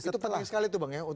sangat penting sekali